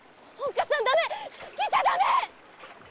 来ちゃダメっ！